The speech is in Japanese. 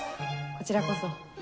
こちらこそ。